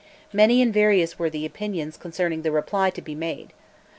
Many and various were the opinions concerning the reply to be made.